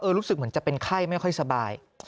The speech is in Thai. รู้สึกเหมือนจะเป็นไข้ไม่ค่อยสบาย